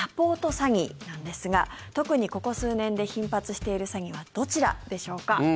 詐欺なんですが特にここ数年で頻発している詐欺はどちらでしょうか。